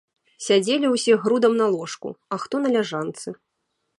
Сядзелі ўсе грудам на ложку, а хто на ляжанцы.